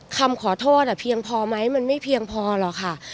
คำขอโทษเพียงพอไหมมันไม่เพียงพอหรอกค่ะ